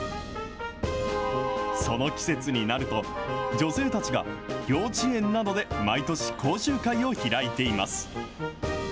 その季節になると、女性たちが幼稚園などで毎年講習会を開いています。